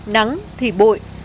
nắng thì bội